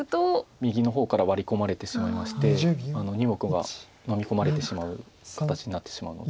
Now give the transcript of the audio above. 右の方からワリ込まれてしまいましてあの２目がのみ込まれてしまう形になってしまうので。